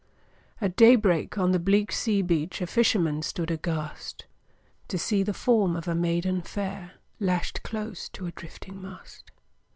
At day break, on the bleak sea beach A fisherman stood aghast, To see the form of a maiden fair Lashed close to a drifting mast.